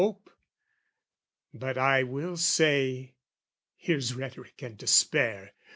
"But I will say" here's rhetoric and to spare!